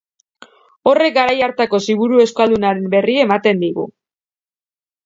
Horrek garai hartako Ziburu euskaldunaren berri ematen digu.